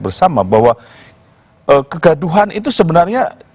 bersama bahwa kegaduhan itu sebenarnya